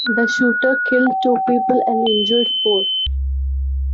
The shooter killed two people and injured four.